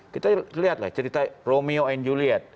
kita lihat lah cerita romeo and juliet